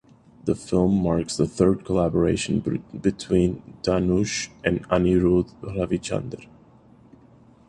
The film marks the third collaboration between Dhanush and Anirudh Ravichander.